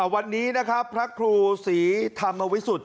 วันนี้นะครับพระครูศรีธรรมวิสุทธิ